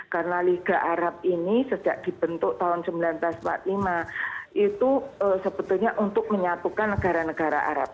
karena liga arab ini sejak dibentuk tahun seribu sembilan ratus empat puluh lima itu sebetulnya untuk menyatukan negara negara arab